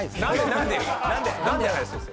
何で？